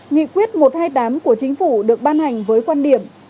nghị quyết một trăm hai mươi tám của chính phủ được ban hành với quan điểm